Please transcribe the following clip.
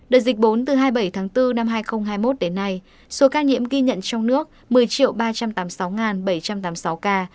đợt dịch bốn từ hai mươi bảy tháng bốn năm hai nghìn hai mươi một đến nay số ca nhiễm ghi nhận trong nước một mươi ba trăm tám mươi sáu bảy trăm tám mươi sáu ca